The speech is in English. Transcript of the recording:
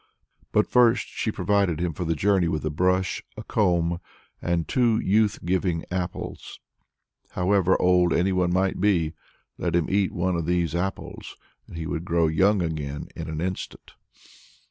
But first she provided him for the journey with a brush, a comb, and two youth giving apples. However old any one might be, let him eat one of these apples, he would grow young again in an instant.